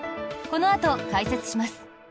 このあと解説します！